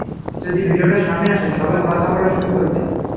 যদি ভিডিওটা সামনে আসে, সবাই কথা বলা শুরু করবে।